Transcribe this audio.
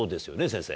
先生。